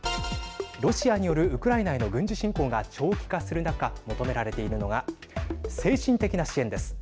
ロシアによるウクライナへの軍事侵攻が長期化する中求められているのが精神的な支援です。